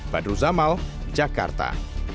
badru zamal jakarta